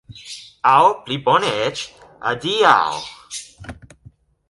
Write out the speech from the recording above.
Aŭ, pli bone eĉ, adiaŭ!